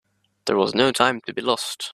There was no time to be lost.